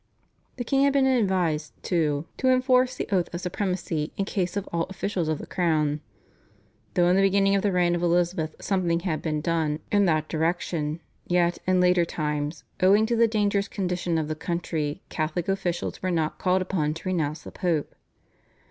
The king had been advised, too, to enforce the oath of supremacy in case of all officials of the crown. Though in the beginning of the reign of Elizabeth something had been done in that direction, yet, in later times, owing to the dangerous condition of the country Catholic officials were not called upon to renounce the Pope.